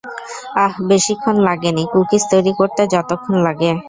আহ, - বেশিক্ষণ লাগেনি কুকিজ তৈরী করতে যতক্ষণ লাগে!